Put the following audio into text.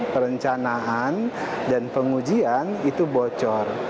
perencanaan dan pengujian itu bocor